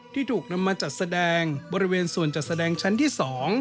ที่ถูกนำมาจัดแสดงบริเวณส่วนจัดแสดงชั้นที่๒